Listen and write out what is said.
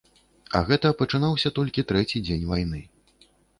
А гэта пачынаўся толькі трэці дзень вайны.